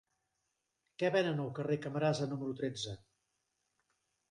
Què venen al carrer de Camarasa número tretze?